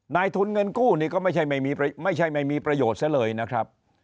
นายทุนเงินกู้นี่ก็ไม่ใช่ไม่มีประโยชน์ซะเลยนะครับ